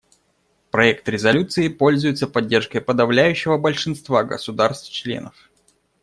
Проект резолюции пользуется поддержкой подавляющего большинства государств-членов.